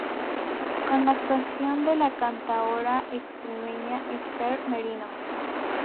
Con la actuación de la cantaora extremeña Esther Merino.